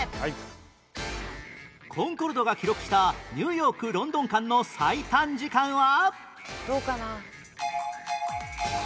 コンコルドが記録したニューヨークロンドン間の最短時間は